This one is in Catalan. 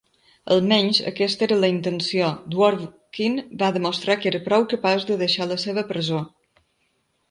Almenys, aquesta era la intenció: Dworkin va demostrar que era prou capaç de deixar la seva presó.